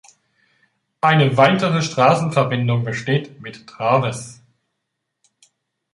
Eine weitere Straßenverbindung besteht mit Traves.